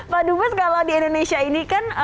pak dubes kalau di indonesia ini kan